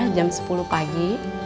jam sepuluh pagi